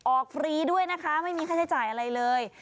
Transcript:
ฟรีด้วยนะคะไม่มีค่าใช้จ่ายอะไรเลย